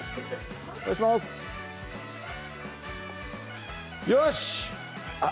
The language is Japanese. お願いしますよしっ！